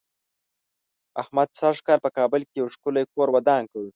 احمد سږ کال په کابل کې یو ښکلی کور ودان کړ.